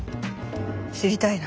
知りたいな。